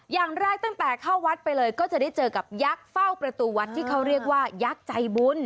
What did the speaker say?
อย่างแรกตั้งแต่เข้าวัดไปเลยก็จะได้เจอกับยักษ์เฝ้าประตูวัดที่เขาเรียกว่ายักษ์ใจบุญ